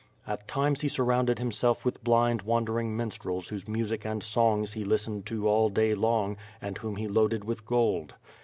At times he surrounded himself with blind wandering minstrels whose music and songs he listened to all day long and whom he loaded with gold.